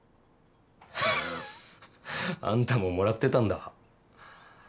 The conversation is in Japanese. ハハッあんたももらってたんだ。